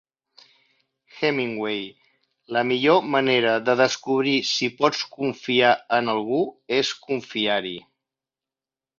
Hemingway: la millor manera de descobrir si pots confiar en algú és confiar-hi.